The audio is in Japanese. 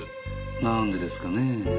何でですかねぇ？